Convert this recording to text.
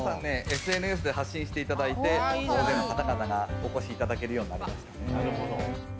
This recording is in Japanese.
皆さん、ＳＮＳで発信していただいて、大勢の方々がお越しいただけるようになりました。